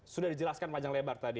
sudah dijelaskan panjang lebar tadi